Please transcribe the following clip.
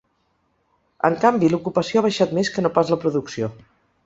En canvi, l’ocupació ha baixat més que no pas la producció.